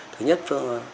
thứ nhất là